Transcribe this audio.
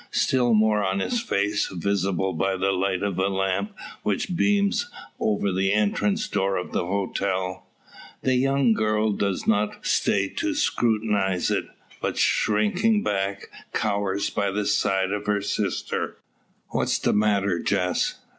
Still more on his face, visible by the light of a lamp which beams over the entrance door of the hotel. The young girl does not stay to scrutinise it; but shrinking back, cowers by the side of her sister. "What's the matter, Jess?"